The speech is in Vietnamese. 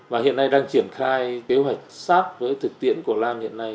và hiện nay đang triển khai kế hoạch sát với thực tiễn của lan hiện nay